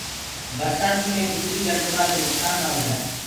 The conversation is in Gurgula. برسآتيٚ مينٚ بِجليٚ گرجوآ دي نُڪسآن نآ هوجآئي۔